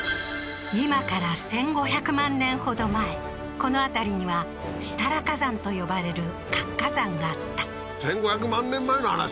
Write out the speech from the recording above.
今から１５００万年ほど前この辺りには設楽火山と呼ばれる活火山があった１５００万年前の話？